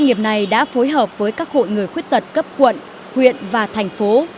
cơ sở sản xuất này đã phối hợp với các hội người khuất tật cấp quận huyện và thành phố